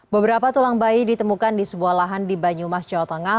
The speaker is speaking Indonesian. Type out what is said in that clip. beberapa tulang bayi ditemukan di sebuah lahan di banyumas jawa tengah